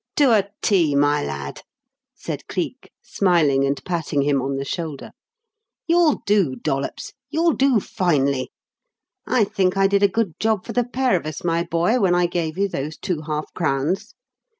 "To a T, my lad," said Cleek, smiling and patting him on the shoulder. "You'll do, Dollops you'll do finely. I think I did a good job for the pair of us, my boy, when I gave you those two half crowns."